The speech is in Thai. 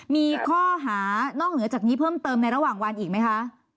มีข้อหานอกเหนือจากนี้เพิ่มเติมในระหว่างวันอีกไหมคะ